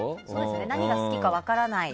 何が好きか分からない